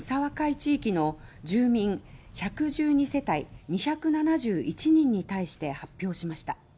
地域の住民１１２世帯２７１人に対して発表しました。